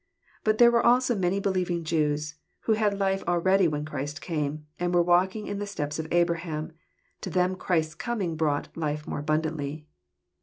— But there were also many believing Jews who had life already when Christ came, and were walking in the steps of Abraham : to them Christ's coming brought '< life more abun dantly."